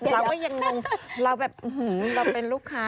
เราก็ยังงงเราแบบอื้อหือเราเป็นลูกค้า